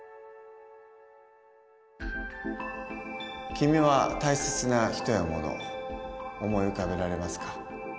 君は大切な人やもの思い浮かべられますか？